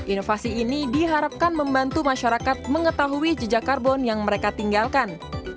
inovasi ini diharapkan membantu masyarakat mengetahui jejak karbon yang mereka tinggalkan